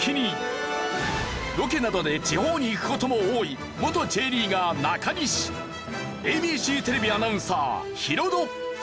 ロケなどで地方に行く事も多い元Ｊリーガー中西ＡＢＣテレビアナウンサーヒロド。